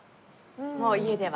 もう家では。